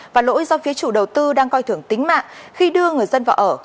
và lỗi do phía chủ đầu tư đang coi thường tính mạng khi đưa người dân vào ở